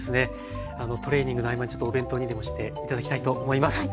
トレーニングの合間にちょっとお弁当にでもして頂きたいと思います。